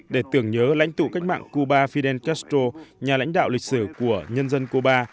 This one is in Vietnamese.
để tưởng nhớ lãnh tụ cách mạng cuba fidel castro nhà lãnh đạo lịch sử của nhân dân cuba